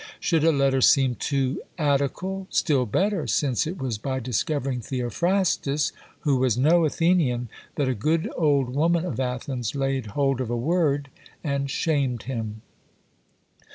Should a letter seem too Attical; still better, since it was by discovering Theophrastus, who was no Athenian, that a good old woman of Athens laid hold of a word, and shamed him.